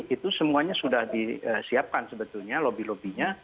itu semuanya sudah disiapkan sebetulnya lobby lobby nya